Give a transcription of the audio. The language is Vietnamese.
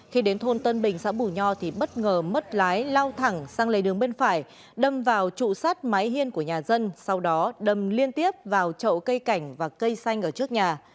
khi đến thôn tân bình xã bù nho thì bất ngờ mất lái lao thẳng sang lề đường bên phải đâm vào trụ sắt máy hiên của nhà dân sau đó đâm liên tiếp vào trậu cây cảnh và cây xanh ở trước nhà